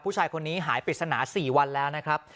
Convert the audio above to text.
ผู้ชายคนนี้หายปริศนา๔วันแล้วนะครับ